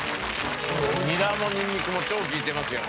ニラもニンニクも超利いてますよね。